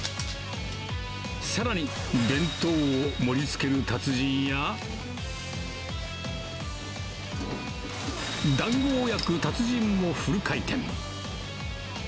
さらに、弁当を盛りつける達人や、だんごを焼く達人もフル回転。